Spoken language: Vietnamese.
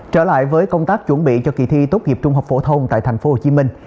trở lại với công tác chuẩn bị cho kỳ thi tốt nghiệp trung học phổ thông tại thành phố hồ chí minh